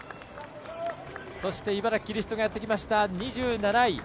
そして、茨城キリストがやってきました、２７位。